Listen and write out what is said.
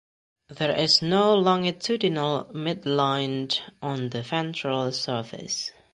There is no longitudinal midline on the ventral surface.